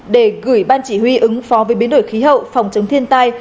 để gửi ban chỉ huy ứng phó với biến đổi khí hậu phòng chống thiên tai